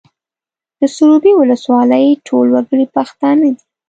د سروبي ولسوالۍ ټول وګړي پښتانه دي